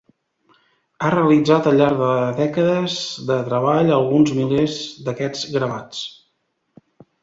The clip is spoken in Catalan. Ha realitzat al llarg de dècades de treball alguns milers d'aquests gravats.